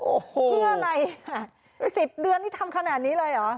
โอ้โหเพื่ออะไรอ่ะ๑๐เดือนนี่ทำขนาดนี้เลยเหรอ